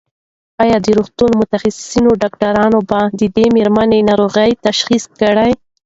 ایا د روغتون متخصص ډاکټران به د دې مېرمنې ناروغي تشخیص کړي؟